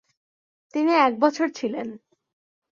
তিনি এক বছর ছিলেন।